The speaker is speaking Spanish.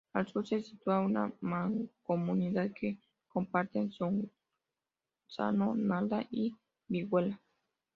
Al sur se sitúa una mancomunidad que comparten Sorzano, Nalda y Viguera.